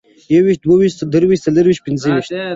يوويشت، دوه ويشت، درویشت، څلرويشت، پنځه ويشت